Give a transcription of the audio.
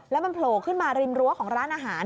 แล้วมันโผล่ขึ้นมาริมรั้วของร้านอาหาร